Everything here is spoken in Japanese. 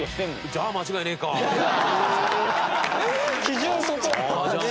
じゃあ間違いねえな。